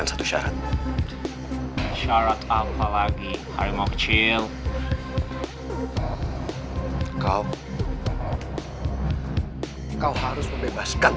makan kalian gak apa apa kan